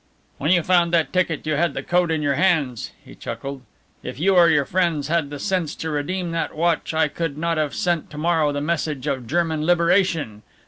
"When you found that ticket you had the code in your hands," he chuckled; "if you or your friends had the sense to redeem that watch I could not have sent to morrow the message of German liberation!